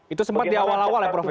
itu sempat di awal awal ya prof ya